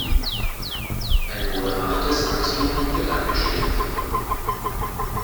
Ein moderates Wachstum wird angestrebt.